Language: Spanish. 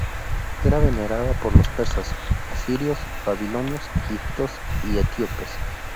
Era venerada por los persas, asirios, babilonios, egipcios y etíopes.